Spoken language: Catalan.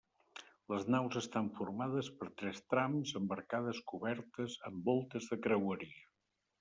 Les naus estan formades per tres trams amb arcades cobertes amb voltes de creueria.